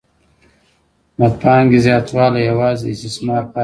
د پانګې زیاتوالی یوازې د استثمار پایله ده